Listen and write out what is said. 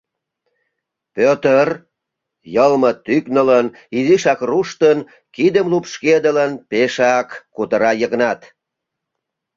— Пӧтыр... — йылме тӱкнылын, изишак руштын, кидым лупшкедылын, пешак кутыра Йыгнат.